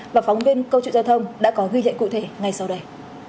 và phóng viên câu chữ giao thông đã có ghi lệnh cụ thể ngay sau đây